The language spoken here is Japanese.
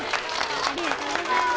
ありがとうございます。